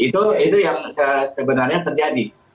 itu yang sebenarnya terjadi